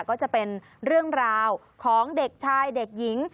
ก็จะเป็นเรื่องราวของเด็กชายเด็กหญิง